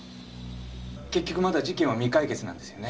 結局まだ事件は未解決なんですよね。